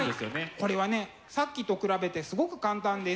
これはねさっきと比べてすごく簡単です。